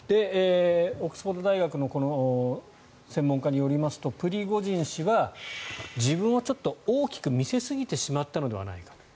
オックスフォード大学の専門家によりますとプリゴジン氏は自分をちょっと大きく見せすぎてしまったのではないか。